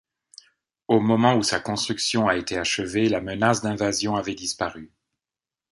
Au moment où sa construction a été achevée, la menace d'invasion avait disparu.